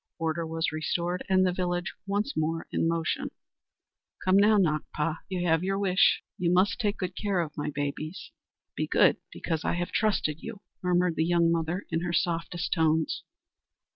Order was restored and the village once more in motion. "Come now, Nakpa; you have your wish. You must take good care of my babies. Be good, because I have trusted you," murmured the young mother in her softest tones.